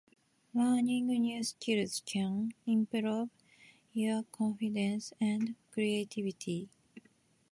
Learning new skills can improve your confidence and creativity.